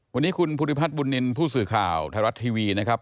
วันนี้คุณภูริพัฒนบุญนินทร์ผู้สื่อข่าวไทยรัฐทีวีนะครับ